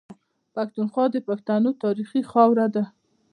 پښتونخوا د پښتنو تاريخي خاوره ده.